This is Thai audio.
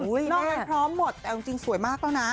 นอกนั้นพร้อมหมดแต่จริงสวยมากแล้วนะ